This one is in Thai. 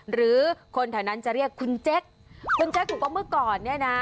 หรือคนไทยนั้นจะเรียกคุณเจ๊กคุณเจ๊กผู้กลับมาเมื่อก่อนเนี่ยนะ